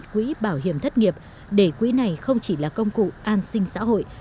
quỹ bảo hiểm thất nghiệp để quỹ này không chỉ là công cụ an sinh xã hội